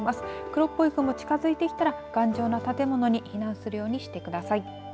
黒っぽい雲近づいてきたら頑丈な建物に避難するようにしてください。